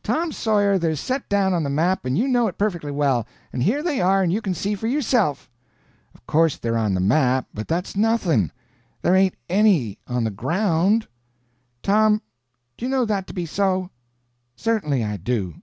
_" "Tom Sawyer, they're set down on the map, and you know it perfectly well, and here they are, and you can see for yourself." "Of course they're on the map, but that's nothing; there ain't any on the ground." "Tom, do you know that to be so?" "Certainly I do."